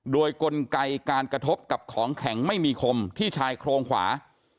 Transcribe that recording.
โดยกลไกการกระทบกับของแข็งไม่มีคมที่ชายโครงขวา